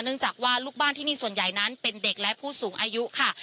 จากว่าลูกบ้านที่นี่ส่วนใหญ่นั้นเป็นเด็กและผู้สูงอายุค่ะ